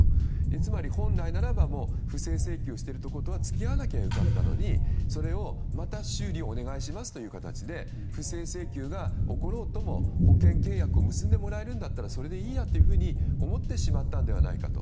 つまり本来ならば不正請求しているところとは付き合わなきゃよかったのにそれを、また修理をお願いしますという形で不正請求が起ころうとも保険契約を結んでもらえるんだったらそれでいいやと思ってしまったのではないかと。